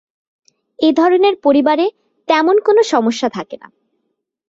এ-ধরনের পরিবারে তেমন কোনো সমস্যা থাকে না।